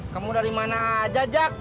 kamu dari mana aja jak